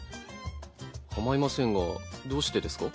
かまいませんがどうしてですか？